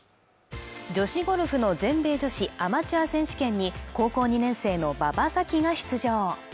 女子ゴルフの全米女子アマチュア選手権に高校２年生の馬場咲希が出場